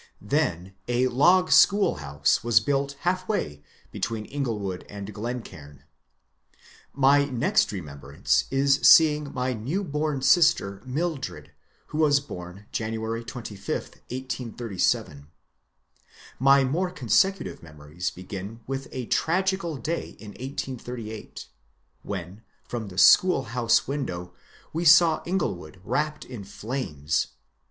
Then a log schoolhouse was built halfway between Inglewood and Glencaim. My next remembrance is seeing my new bom sister, Mil dred, who was bom January 26, 1887. My more consecutive memories begin with a tragical day in 1838, when from the schoolhouse window we saw Ingle wood wrapped in flames.